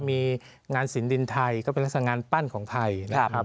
มีงานสินดินไทยก็เป็นลักษณะงานปั้นของไทยนะครับ